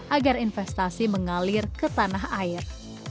agar investasi mengalir ke tanah air